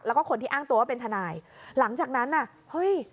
แล้วก็คนที่อ้างตัวว่าเป็นทนายหลังจากนั้นน่ะเฮ้ย